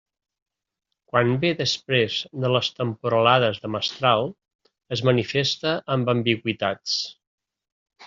Quan ve després de les temporalades de mestral, es manifesta amb ambigüitats.